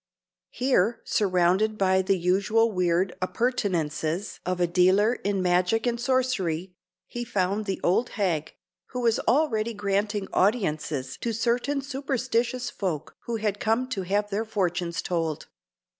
Here, surrounded by the usual weird appurtenances of a dealer in magic and sorcery, he found the old hag, who was already granting audiences to certain superstitious folk who had come to have their fortunes told.